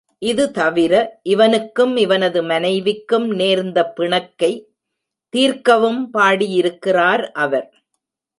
இதுதவிர, இவனுக்கும் இவனது மனைவிக்கும் நேர்ந்த பிணக்கைத் தீர்க்கவும் பாடியிருக்கிறார் அவர்.